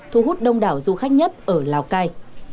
thu hút đông đảo du khách nhất ở lào cai